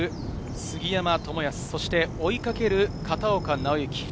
杉山知靖、そして追いかける片岡尚之。